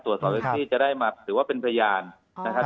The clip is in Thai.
ตรวจสอบแท็กซี่จะได้มาหรือว่าเป็นพยานนะครับ